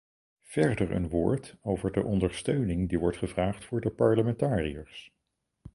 Verder een woord over de ondersteuning die wordt gevraagd voor de parlementariërs.